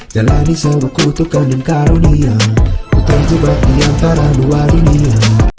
jalani sewuku tukang dan karunia ku terjebak di antara dua dunia